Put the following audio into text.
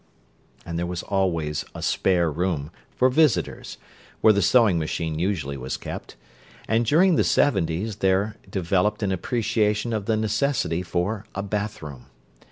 And there was always a "spare room," for visitors (where the sewing machine usually was kept), and during the 'seventies there developed an appreciation of the necessity for a bathroom.